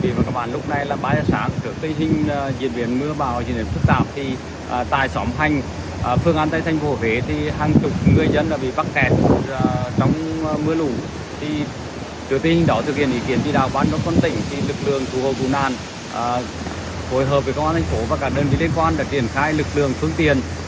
phối hợp với công an tp và cả đơn vị liên quan đã triển khai lực lượng phương tiện